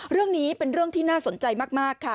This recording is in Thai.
เรื่องนี้เป็นเรื่องที่น่าสนใจมากค่ะ